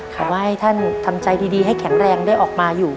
ขอให้ท่านทำใจดีให้แข็งแรงได้ออกมาอยู่